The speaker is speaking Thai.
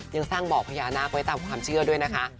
ยังสร้างบ่อพญานาคไว้ตามความเชื่อด้วยนะคะ